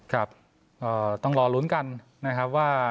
ครับต้องรอลุ้นกันนะครับว่า